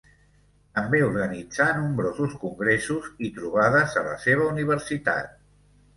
També organitzà nombrosos congressos i trobades a la seva universitat.